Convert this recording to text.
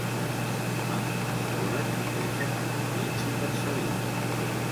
Fan espores i creixen en ambients hipersalins.